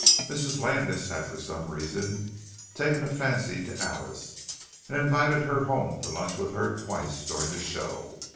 Mrs. Landis had for some reason taken a fancy to Alice, and invited her home to lunch with her twice during the show.